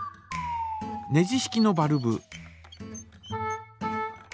ネジ式のバルブ。